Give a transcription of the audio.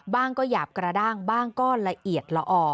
บ้างก็หยาบกระด้างบ้างก็ละเอียดละอ